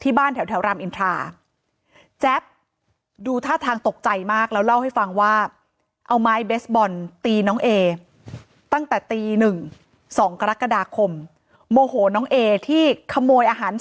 บ้านแถวรามอินทราแจ๊บดูท่าทางตกใจมากแล้วเล่าให้ฟังว่าเอาไม้เบสบอลตีน้องเอตั้งแต่ตี๑๒กรกฎาคมโมโหน้องเอที่ขโมยอาหาร